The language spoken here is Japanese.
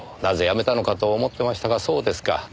なぜ辞めたのかと思ってましたがそうですか。